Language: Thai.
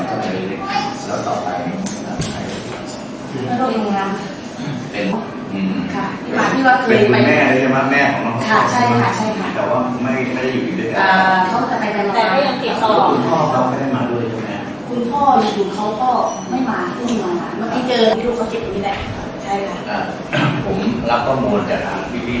แต่ว่าชอบกันกันไปยังไม่ได้